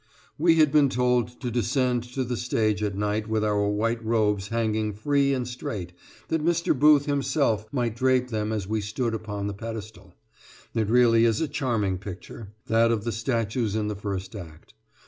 We had been told to descend to the stage at night with our white robes hanging free and straight, that Mr. Booth himself might drape them as we stood upon the pedestal. It really is a charming picture that of the statues in the first act.